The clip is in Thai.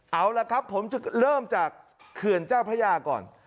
เอาละครับผมจะเริ่มจากเขื่อนเจ้าพระยาก่อน